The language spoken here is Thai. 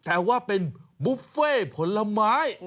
แต่ว่าเป็นบุฟเฟ่ผลไม้